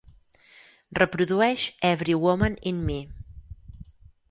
Reprodueix Every Woman In Me